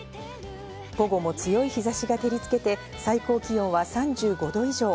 午後も強い日差しが照りつけて、最高気温は３５度以上。